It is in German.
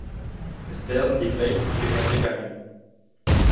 Es werden die gleichen Fehler begangen.